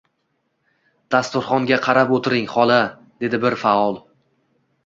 — Dasturxonga qarab o‘tiring, xola, — dedi bir faol.